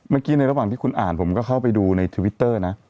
ในระหว่างที่คุณอ่านผมก็เข้าไปดูในทวิตเตอร์นะ